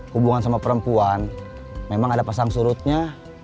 hubungan sama perempuan memang ada pasang surutnya